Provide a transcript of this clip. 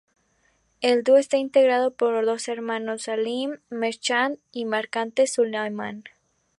El dúo está integrado por dos hermanos, Salim Merchant y Mercante Sulaiman.